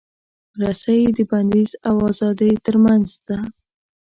رسۍ د بندیز او ازادۍ ترمنځ ده.